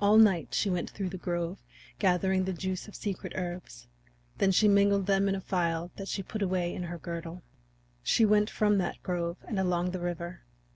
All night she went through the grove gathering the juice of secret herbs; then she mingled them in a phial that she put away in her girdle. She went from that grove and along the river.